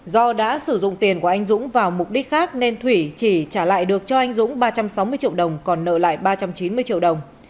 do đã sử dụng tiền của anh dũng vào mục đích khác nên thủy chỉ trả lại được cho anh dũng ba trăm sáu mươi triệu đồng còn nợ lại ba trăm chín mươi triệu đồng